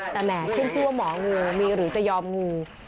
แต่แหมขึ้นชื่อว่าหมองูมีหรือจะยอมงู